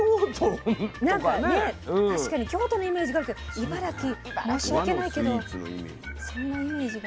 確かに京都のイメージがあるけど茨城申し訳ないけどそんなイメージが。